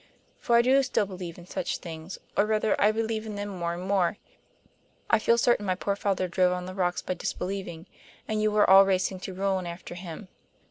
For I do still believe in such things, or rather I believe in them more and more; I feel certain my poor father drove on the rocks by disbelieving, and you are all racing to ruin after him.